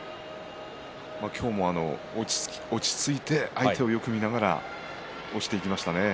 今日も落ち着いて相手をよく見ながら押していきましたね。